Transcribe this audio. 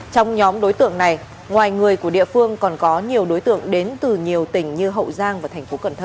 trong nhóm đối tượng này ngoài người của địa phương còn có nhiều đối tượng đến từ nhiều tỉnh như hậu giang và thành phố cần thơ